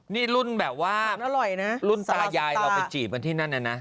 นี่รุ่นแบบว่ารุ่นตายายเราไปจีบกันที่นั่นน่ะนะ